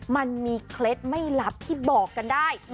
เคล็ดไม่ลับที่บอกกันได้